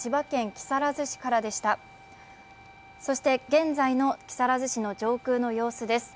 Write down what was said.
現在の木更津市の上空の様子です。